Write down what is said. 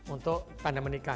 untuk tanda menikah